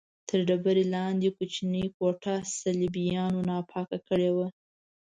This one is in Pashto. تر ډبرې لاندې کوچنۍ کوټه صلیبیانو ناپاکه کړې وه.